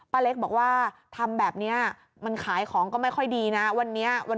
ป้าเล็กบอกว่าทำแบบนี้มันขายของก็ไม่ค่อยดีนะ